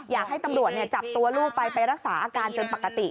อยากให้ตำรวจจับตัวลูกไปไปรักษาอาการจนปกติ